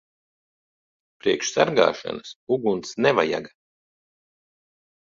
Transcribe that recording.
Priekš sargāšanas uguns nevajaga.